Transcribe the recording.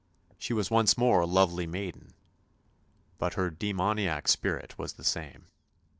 She was once more a lovely maiden, but her demoniac spirit was the same.